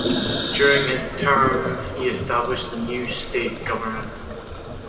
During his term, he established the new state government.